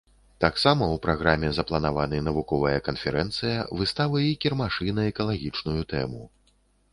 Таксама ў праграме запланаваны навуковая канферэнцыя, выставы і кірмашы на экалагічную тэму.